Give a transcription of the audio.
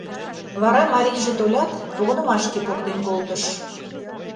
Вара марийже толят, погынымашке поктен колтыш.